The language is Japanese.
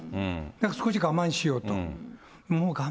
だから少し我慢しようと。